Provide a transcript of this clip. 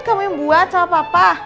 kamu yang buat sama papa